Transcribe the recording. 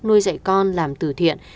nuôi dạy con làm tử thiện